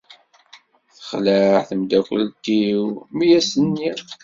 Texleɛ tmeddakelt-iw mi as-nniɣ.